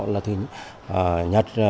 là thứ nhất